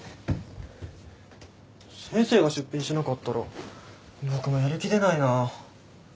先生が出品しなかったら僕もやる気出ないなぁ。